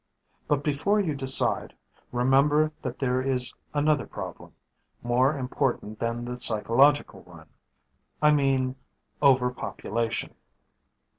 "But before you decide, remember that there is another problem, more important than the psychological one. I mean overpopulation.